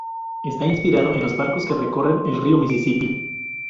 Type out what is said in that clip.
Está inspirado en los barcos que recorren el río Misisipi.